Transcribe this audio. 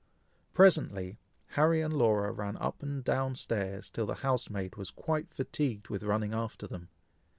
Presently Harry and Laura ran up and down stairs till the housemaid was quite fatigued with running after them.